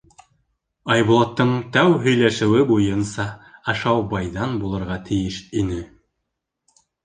Айбулаттың тәү һөйләшеүе буйынса ашау байҙан булырға тейеш ине.